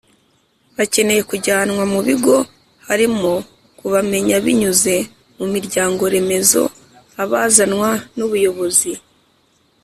bakeneye kujyanwa mu bigo harimo kubamenya binyuze mu miryango remezo abazanwa n ubuyobozi